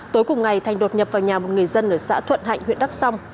tối cùng ngày thành đột nhập vào nhà một người dân ở xã thuận hạnh huyện đắk song